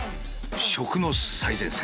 食の最前線